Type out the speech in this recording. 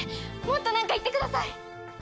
もっとなんか言ってください！